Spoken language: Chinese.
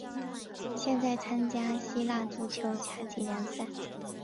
现在参加希腊足球甲级联赛。